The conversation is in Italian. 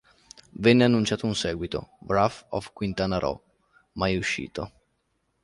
Venne annunciato un seguito, "Wrath of Quintana Roo", mai uscito.